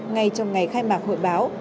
ngay trong ngày khai mạc hội báo